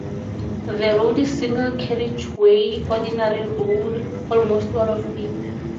The road is single carriageway ordinary road almost all of it.